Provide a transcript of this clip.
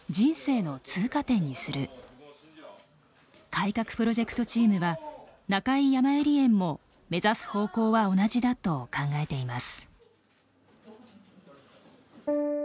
改革プロジェクトチームは中井やまゆり園も目指す方向は同じだと考えています。